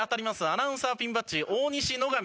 アナウンサーピンバッジ大西・野上